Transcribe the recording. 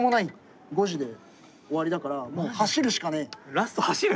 ラスト走る？